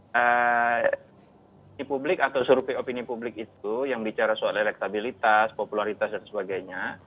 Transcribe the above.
di publik atau survei opini publik itu yang bicara soal elektabilitas popularitas dan sebagainya